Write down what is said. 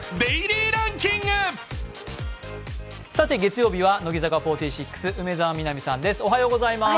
月曜日は乃木坂４６、梅澤美波さんです。